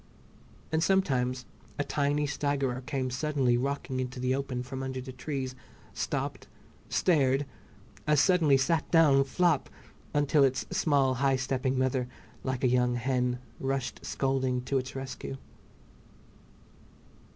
And sometimes a tiny staggerer came suddenly rocking into the open from under the trees, stopped, stared, as suddenly sat down "flop," until its small high stepping mother, like a young hen, rushed scolding to its rescue.